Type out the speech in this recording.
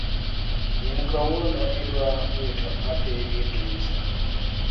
in kawuono idwa wito hapi gi drisa?